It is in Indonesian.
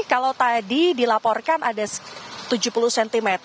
kalau tadi dilaporkan ada tujuh puluh cm